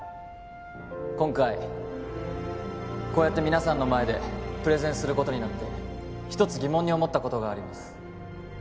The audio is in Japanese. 今回こうやって皆さんの前でプレゼンすることになって一つ疑問に思ったことがあります